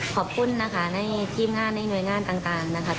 ขอบคุณนะคะในทีมงานในหน่วยงานต่างนะคะ